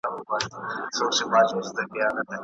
هغه سړي به د نفس د اصلاح لپاره په خپلو نیمګړتیاوو فکر کاوه.